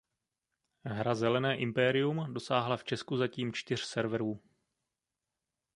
Hra Zelené impérium dosáhla v Česku zatím čtyř serverů.